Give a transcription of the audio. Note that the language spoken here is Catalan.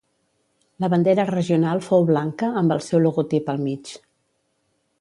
La bandera regional fou blanca amb el seu logotip al mig.